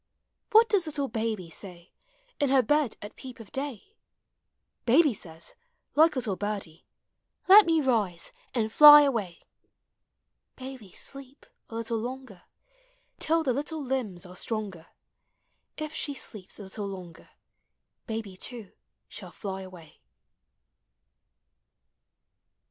What does little babv say, In her bed at peep of day ? Baby says, like little birdie, Let me rise and fly awav. Baby sleep, a little longer, Till the little limbs are stronger, If she sleeps a little longer, Baby too shall fly away.